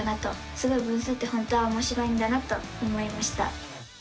すごい分数って本当はおもしろいんだなと思いました！